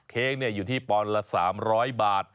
เค้กอยู่ที่ปอนดละ๓๐๐บาท